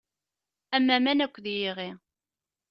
Am aman, akked yiɣi.